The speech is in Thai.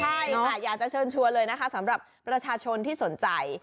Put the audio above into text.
ใช่ค่ะอยากจะเชิญชวนเลยนะคะสำหรับประชาชนที่สนใจ